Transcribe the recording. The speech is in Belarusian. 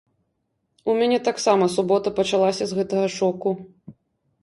У мяне таксама субота пачалася з гэтага шоку.